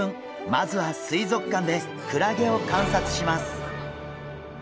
まずは水族館でクラゲを観察します。